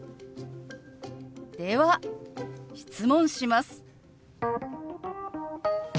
では質問します。